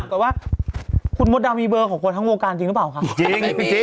ก็ว่าคุณมสดัมมีเบอร์ของคนทั้งวงการจริงหรือเปล่าค่ะ